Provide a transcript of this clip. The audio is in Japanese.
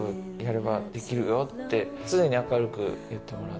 って常に明るく言ってもらって。